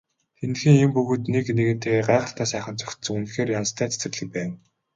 Тэндхийн юм бүгд нэг нэгэнтэйгээ гайхалтай сайхан зохицсон үнэхээр янзтай цэцэрлэг байв.